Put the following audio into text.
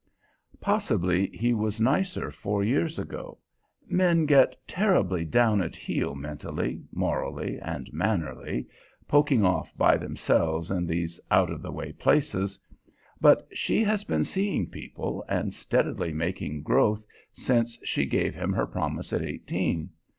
Possibly he was nicer four years ago. Men get terribly down at heel, mentally, morally, and mannerly, poking off by themselves in these out of the way places. But she has been seeing people and steadily making growth since she gave him her promise at eighteen.